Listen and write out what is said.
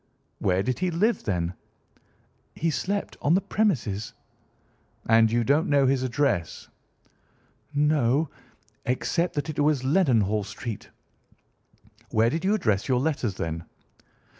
"Where did he live, then?" "He slept on the premises." "And you don't know his address?" "No—except that it was Leadenhall Street." "Where did you address your letters, then?"